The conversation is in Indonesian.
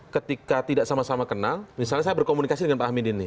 ketika tidak sama sama kenal misalnya saya berkomunikasi dengan pak amin ini